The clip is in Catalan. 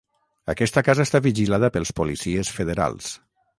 Aquesta casa està vigilada pels policies federals.